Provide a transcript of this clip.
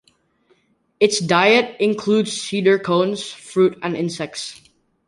Its diet includes cedar cones, fruit, and insects.